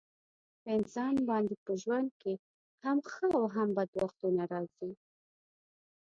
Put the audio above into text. په انسان باندې په ژوند کې هم ښه او هم بد وختونه راځي.